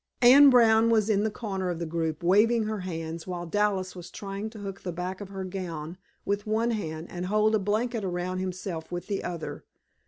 Anne Brown was in the corner of the group, waving her hands, while Dallas was trying to hook the back of her gown with one hand and hold a blanket around himself with the other.